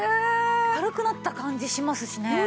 軽くなった感じしますしね。